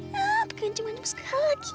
hah terganceng ganceng sekali lagi